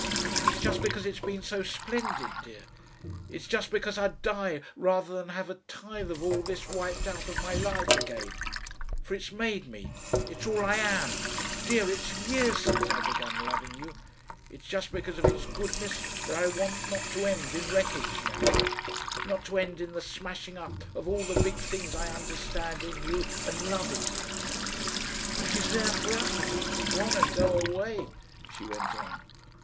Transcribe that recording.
And it's just because it's been so splendid, dear; it's just because I'd die rather than have a tithe of all this wiped out of my life again for it's made me, it's all I am dear, it's years since I began loving you it's just because of its goodness that I want not to end in wreckage now, not to end in the smashing up of all the big things I understand in you and love in you.... "What is there for us if we keep on and go away?" she went on.